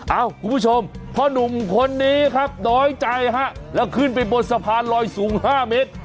เอ้าคุณผู้ชมพ่อนุ่มคนนี้ครับน้อยใจฮะแล้วขึ้นไปบนสะพานลอยสูง๕เมตร